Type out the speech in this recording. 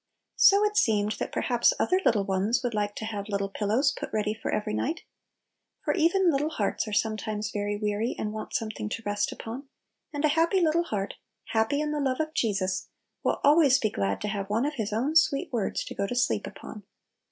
So it seemed that perhaps other little ones would like to have "little pillows" put ready for every night. For even little hearts are sometimes very weary, and want something to rest upon; and a happy little heart, happy in the love of Jesus, will always be glad to have one of His own sweet words to go "to sleep upon.